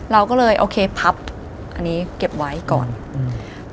เราก็เลยโอเคพับอันนี้เก็บไว้ก่อนอืม